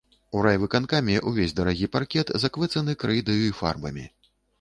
У райвыканкаме ўвесь дарагі паркет заквэцаны крэйдаю й фарбамі.